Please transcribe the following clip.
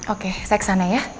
oke saya kesana ya